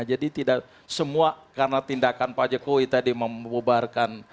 jadi tidak semua karena tindakan pak jokowi tadi membubarkan